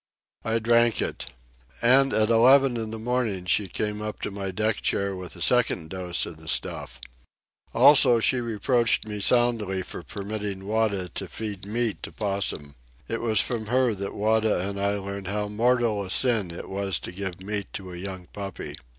I drank it. And at eleven in the morning she came up to my deck chair with a second dose of the stuff. Also she reproached me soundly for permitting Wada to feed meat to Possum. It was from her that Wada and I learned how mortal a sin it was to give meat to a young puppy.